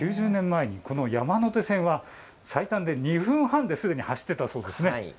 ９０年前に山手線は最短で２分半で走っていたそうなんですね。